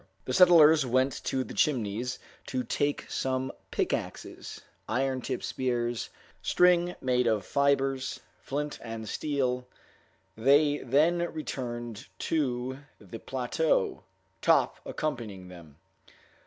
The settlers went to the Chimneys to take some pickaxes, iron tipped spears, string made of fibers, flint and steel; they then returned to the plateau, Top accompanying them.